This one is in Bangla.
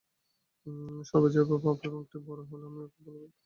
সর্বজয়া ভাবে-অপু আর একটু বড় হলে আমি ওকে ভালো দেখে বিয়ে দেবো।